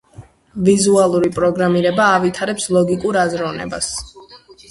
ვიზუალური პროგრამირება ავითარებს ლოგიკურ აზროვნებას.